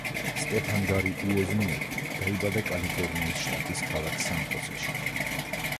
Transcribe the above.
სტეფან გარი უოზნიაკი დაიბადა კალიფორნიის შტატის ქალაქ სან-ხოსეში.